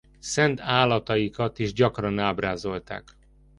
Szent állataikat is gyakran ábrázolták.